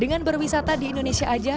dengan berwisata di indonesia aja